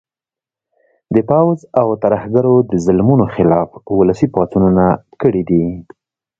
د پوځ او ترهګرو د ظلمونو خلاف ولسي پاڅونونه کړي دي